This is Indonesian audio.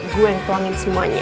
gue yang tuangin semuanya